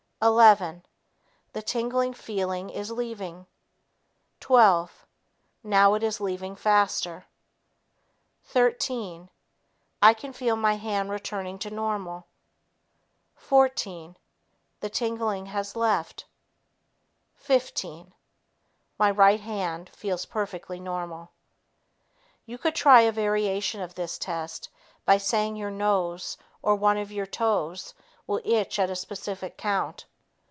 Eleven ... The tingling feeling is leaving. Twelve ... Now it is leaving faster. Thirteen ... I can feel my hand returning to normal. Fourteen ... The tingling feeling has left. Fifteen ... My right hand feels perfectly normal." You could try a variation of this test by saying your nose or one of your toes will itch at a specific count.